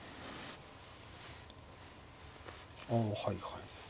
ああはいはい。